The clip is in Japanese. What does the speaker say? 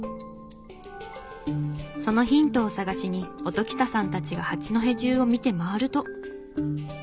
そのヒントを探しに音喜多さんたちが八戸中を見て回ると。